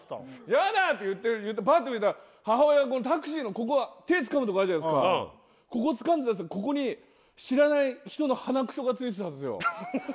「ヤダ」って言ってるパッと見たら母親タクシーのここ手つかむとこあるじゃないですかここつかんでたんですけどここに知らない人の鼻クソがついてたんですよ